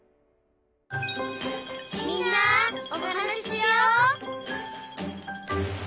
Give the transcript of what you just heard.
「みんなおはなししよう」